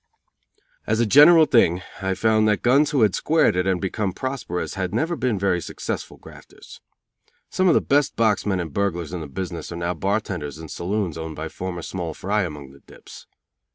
As a general thing I found that guns who had squared it and become prosperous had never been very successful grafters. Some of the best box men and burglars in the business are now bar tenders in saloons owned by former small fry among the dips.